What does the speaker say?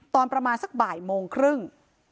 ตอนประมาณสักบ่ายโมงครึ่ง